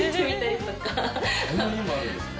そんな家もあるんですね。